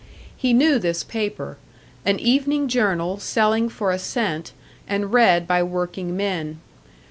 He knew this paper; an evening journal selling for a cent, and read by working men.